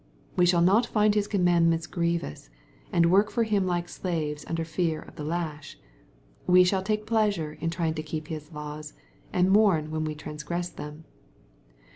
We shall not find His commandments grievous, and work for Him like slaves under fear of the lash. We shall take pleasure in trying to keep His laws, and mourn when we transgress them.